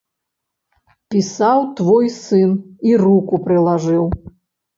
Пісаў твой сын і руку прылажыў.